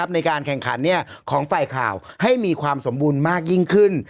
ในการแข่งขันของฝ่ายข่าวให้มีความสมบูรณ์มากยิ่งขึ้น